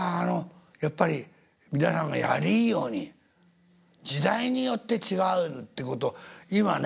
やっぱり皆さんがやりいいように時代によって違うってことを今ね